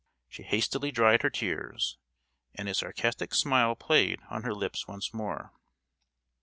She hastily dried her tears, and a sarcastic smile played on her lips once more.